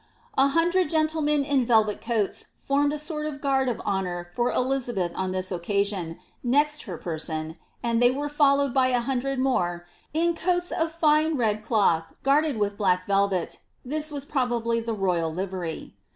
A hundred gentlemen in velvet coats formed a sort of guard of honour for Elizabeth on this occasion, next her person, and they were followed by a hundred more ^ in coats of fine red cloth guarded with black vel* ▼«;"■ this was probably the royal livery.